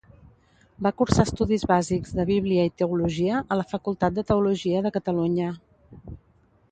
Va cursar estudis bàsics de Bíblia i teologia a la Facultat de Teologia de Catalunya.